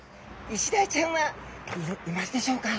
イシダイちゃんはいますでしょうか？